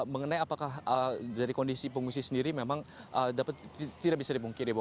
mengenai apakah dari kondisi pengungsi sendiri memang tidak bisa dipungkiri